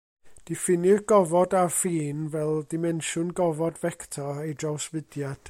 Diffinnir gofod affin fel dimensiwn gofod fector ei drawsfudiad.